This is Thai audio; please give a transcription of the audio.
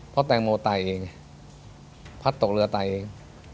เพราะแตงโมตายเองพัดตกเรือตายเอง